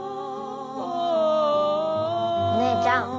お姉ちゃん。